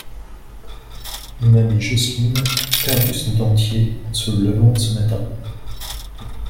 Mamie Joseline a perdu son dentier en se levant ce matin.